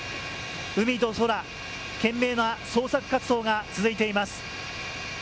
海と空懸命な捜索活動が続いています。